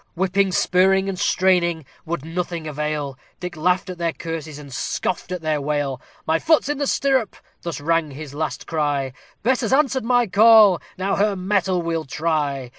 Whipping, spurring, and straining would nothing avail, Dick laughed at their curses, and scoffed at their wail; "My foot's in the stirrup!" thus rang his last cry; "Bess has answered my call; now her mettle we'll try!"